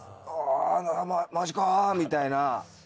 「あマジか」みたいな。